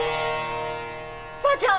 ばあちゃん